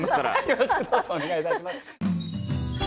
よろしくどうぞお願いいたします。